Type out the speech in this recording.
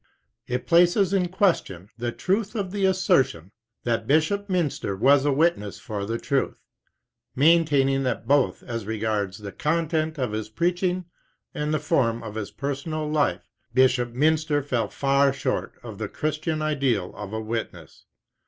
It places in question the truth of the assertion that Bishop Mynster was a witness for the Truth, maintaining that both as regards the content of his preaching and the form of his personal life Bishop Mynster fell far short of the Christian ideal of a witness.